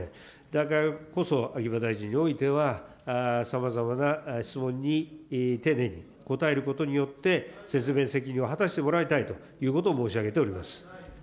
だからこそ、秋葉大臣においてはさまざまな質問に丁寧に答えることによって、説明責任を果たしてもらいたいということを申し上げております。